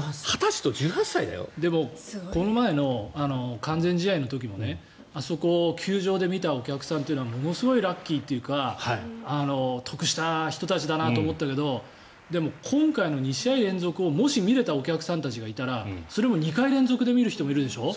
２０歳と１８歳だよ。だけどこの前の完全試合の時も球場で見たお客さんはものすごくラッキーというか得した人たちだなと思ったけどでも、今回の２試合連続をもし見れたお客さんがいたらそれも２回連続で見る人もいるでしょ。